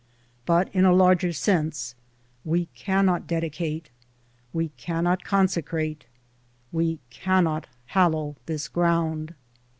But, in a larger sense, we cannot dedicate. . .we cannot consecrate. .. we cannot hallow this ground.